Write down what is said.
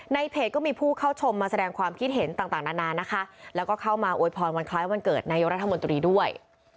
ในเพจก็มีผู้เข้าชมมาแสดงความคิดเห็นต่างนานานะคะแล้วก็เข้ามาอวยพรวันคล้ายวันเกิดนายกรัฐมนตรีด้วย